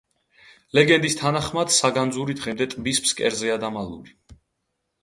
ლეგენდის თანახმად საგანძური დღემდე ტბის ფსკერზეა დამალული.